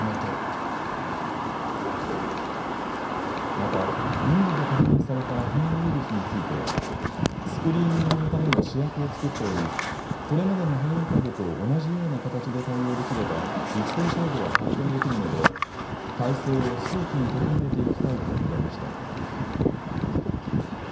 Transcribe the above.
またインドで確認された変異ウイルスについてスクリーニングのための試薬を作っておりこれまでの変異株と同じような形で対応できれば一定程度は発見できるので体制を早期に整えていきたいと述べました。